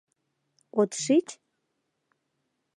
— От шич?